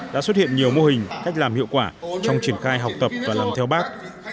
đã xuất hiện nhiều mô hình cách làm hiệu quả trong triển khai học tập và làm theo bác